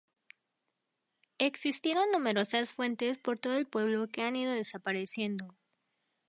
Existieron numerosas fuentes por todo el pueblo que han ido desapareciendo.